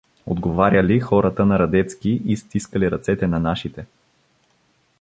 Отговаряли хората на Радецки и стискали ръцете на нашите.